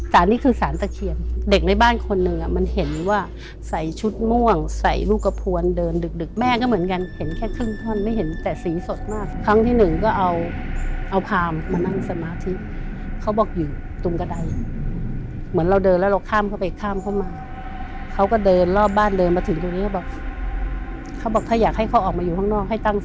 นี่คือสารตะเคียนเด็กในบ้านคนหนึ่งอ่ะมันเห็นว่าใส่ชุดม่วงใส่ลูกกระพวนเดินดึกดึกแม่ก็เหมือนกันเห็นแค่ครึ่งท่อนไม่เห็นแต่สีสดมากครั้งที่หนึ่งก็เอาเอาพามมานั่งสมาธิเขาบอกอยู่ตรงกระดายเหมือนเราเดินแล้วเราข้ามเข้าไปข้ามเข้ามาเขาก็เดินรอบบ้านเดินมาถึงตรงนี้บอกเขาบอกถ้าอยากให้เขาออกมาอยู่ข้างนอกให้ตั้งส